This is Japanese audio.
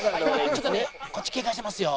ちょとねこっち警戒してますよ。